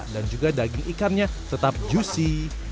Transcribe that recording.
dan juga daging ikannya tetap juicy